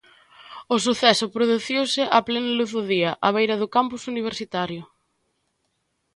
O suceso produciuse a plena luz do día á beira do campus universitario.